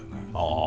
ああ